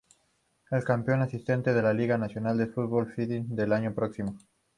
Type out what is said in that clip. El campeón asciende a la Liga Nacional de Fútbol de Fiyi del año próximo.